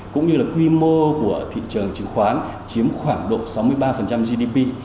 cũng như là quy mô của thị trường chứng khoán chiếm khoảng độ sáu mươi ba gdp